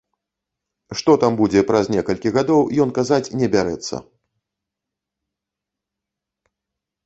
Што там будзе праз некалькі гадоў, ён казаць не бярэцца.